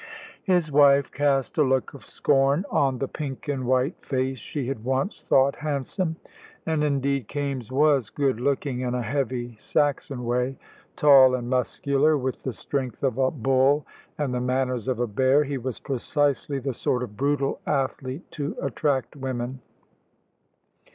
His wife cast a look of scorn on the pink and white face she had once thought handsome. And, indeed, Kaimes was good looking in a heavy Saxon way. Tall and muscular, with the strength of a bull and the manners of a bear, he was precisely the sort of brutal athlete to attract women.